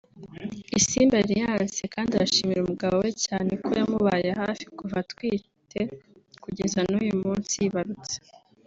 Isimbi Alliance kandi arashimira umugabo we cyane ko yamubaye hafi kuva atwite kugeza n'uyu munsi yibarutse